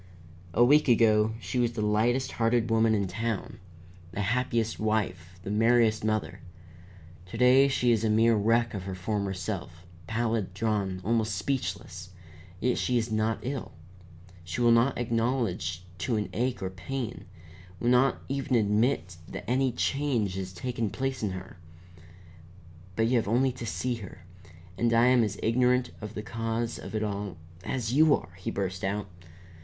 "A week ago she was the lightest hearted woman in town, the happiest wife, the merriest mother. To day she is a mere wreck of her former self, pallid, drawn, almost speechless, yet she is not ill. She will not acknowledge to an ache or a pain; will not even admit that any change has taken place in her. But you have only to see her. And I am as ignorant of the cause of it all as you are!" he burst out.